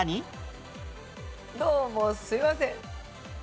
どうもすいません。